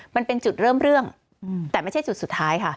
มันเป็นจุดเริ่มเรื่องแต่ไม่ใช่จุดสุดท้ายค่ะ